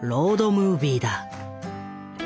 ムービーだ。